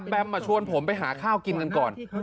มาชวนผมไปหาข้าวกินกันก่อน